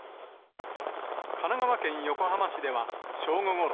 神奈川県横浜市では正午ごろ、